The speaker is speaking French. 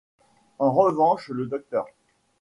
En revanche, le Dr.